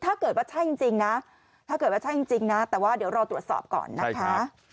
ถ้าเกิดว่าใช่จริงนะแต่ว่าเดี๋ยวรอตรวจสอบก่อนนะคะ